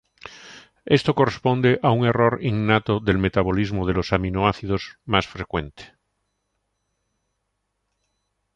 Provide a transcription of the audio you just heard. Esto corresponde a un error innato del metabolismo de los aminoácidos más frecuente.